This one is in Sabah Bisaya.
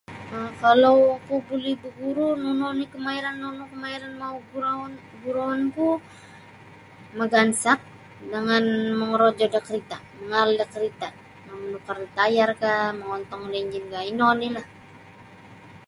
um Kalau oku buli baguru nunu oni kamairan nunu kamairan guruun guruun ku magansak jangan mongorojo da karita magaal da karita manukar da tayar ka mongontong da injin ino oni lah.